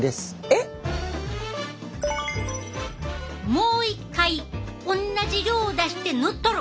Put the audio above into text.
もう一回おんなじ量を出して塗っとる。